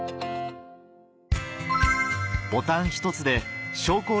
ボタン１つで昇降